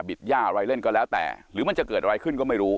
ย่าอะไรเล่นก็แล้วแต่หรือมันจะเกิดอะไรขึ้นก็ไม่รู้